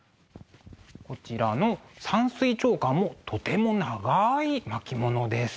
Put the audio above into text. こちらの「山水長巻」もとても長い巻物です。